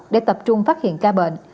để tập trung phát hiện ca bệnh